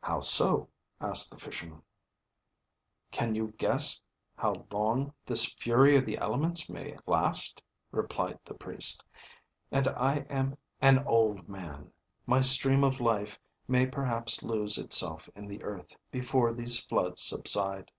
"How so?" asked the fisherman. "Can you guess how long this fury of the elements may last?" replied the Priest. "And I am an old man. My stream of life may perhaps lose itself in the earth, before these floods subside.